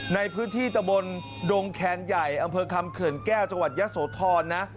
ในพื้นที่ตะบนดงแคนใหญ่อำเภอคำเขื่อนแก้วจังหวัดยะโสธรนะ